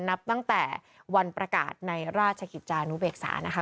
นับตั้งแต่วันประกาศในราชกิจจานุเบกษานะคะ